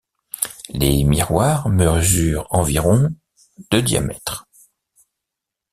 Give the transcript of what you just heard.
Les miroirs mesurent environ de diamètre.